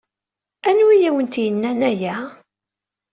Anwa ay awent-yennan aya?